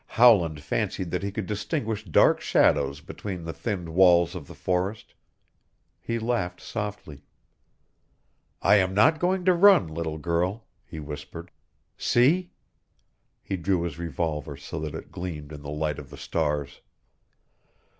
Howland fancied that he could distinguish dark shadows between the thinned walls of the forest. He laughed softly. "I am not going to run, little girl," he whispered. "See?" He drew his revolver so that it gleamed in the light of the stars.